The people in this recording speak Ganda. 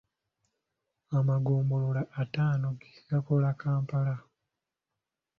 Amagombolola ataano ge gakola Kampala.